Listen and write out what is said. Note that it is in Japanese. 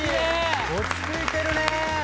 落ち着いてるね！